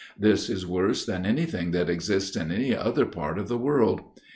This is worse than any thing that exists in any other part of the world.